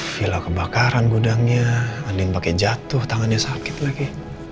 gila kebakaran gudangnya andi pakai jatuh tangannya sakit lagi